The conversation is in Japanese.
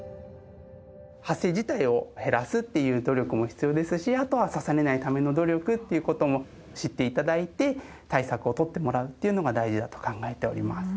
発生自体を減らすっていう努力も必要ですしあとは刺されないための努力っていう事も知って頂いて対策を取ってもらうっていうのが大事だと考えております。